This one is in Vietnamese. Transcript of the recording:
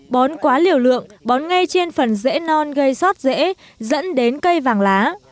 bón quá liều lượng bón ngay trên phần rễ non gây sót rễ dẫn đến cây vàng lá